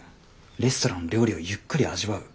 レストランの料理をゆっくり味わう。